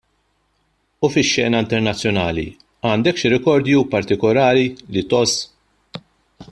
U fix-xena internazzjonali għandek xi rikordju partikolari li tgħożż?